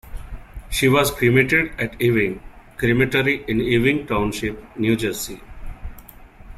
She was cremated at Ewing Crematory in Ewing Township, New Jersey.